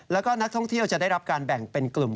แล้วก็นักท่องเที่ยวจะได้รับการแบ่งเป็นกลุ่ม